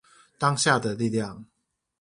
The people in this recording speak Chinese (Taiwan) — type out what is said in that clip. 當下的力量